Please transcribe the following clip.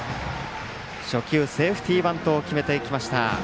初球、セーフティーバントを決めてきました。